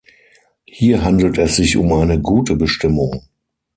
Hier handelt es sich um eine gute Bestimmung.